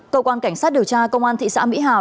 cơ quan cảnh sát điều tra công an thị xã mỹ hào